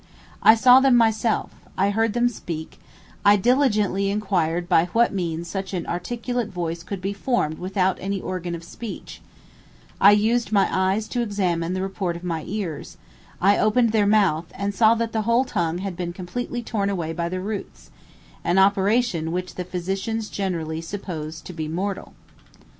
"I saw them myself: I heard them speak: I diligently inquired by what means such an articulate voice could be formed without any organ of speech: I used my eyes to examine the report of my ears; I opened their mouth, and saw that the whole tongue had been completely torn away by the roots; an operation which the physicians generally suppose to be mortal."